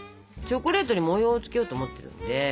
チョコレートに模様をつけようと思ってるんで。